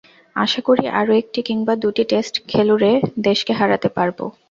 আশা করি, আরও একটি কিংবা দুটি টেস্ট খেলুড়ে দেশকে হারাতে পারব।